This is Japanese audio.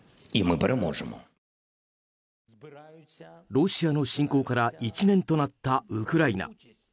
ロシアの侵攻から１年となったウクライナ。